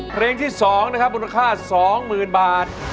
เพลงที่๒นะครับมูลค่า๒๐๐๐บาท